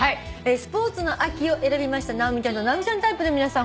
「スポーツの秋」を選びました直美ちゃんと直美ちゃんタイプの皆さん